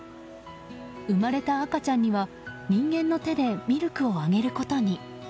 生まれた赤ちゃんには人間の手でミルクをあげることに。